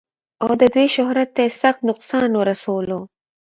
او د دوي شهرت تۀ ئې سخت نقصان اورسولو